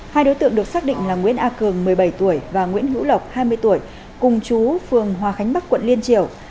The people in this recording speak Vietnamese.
hai đối tượng được xác định là nguyễn a cường một mươi bảy tuổi và nguyễn hữu lộc hai mươi tuổi cùng chú phường hòa khánh bắc quận liên triều